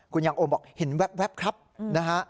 คุณยังโอมบอกเห็นแว๊บครับนะฮะ